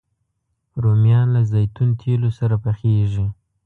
رومیان له زیتون تېلو سره پخېږي